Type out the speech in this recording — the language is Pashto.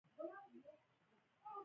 هر څوک به د لیک سند غوښت.